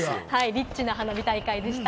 リッチな花火大会でした。